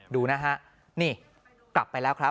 ดูนะฮะนี่กลับไปแล้วครับ